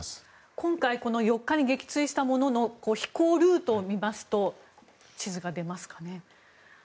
今回４日に撃墜したものの飛行ルートを見ますと地図が出ますかね。